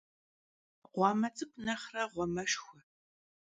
Ğuame ts'ık'u nexhre ğuameşşxue.